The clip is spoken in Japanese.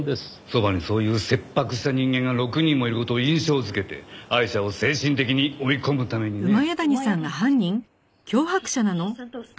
そばにそういう切迫した人間が６人もいる事を印象づけてアイシャを精神的に追い込むためにね。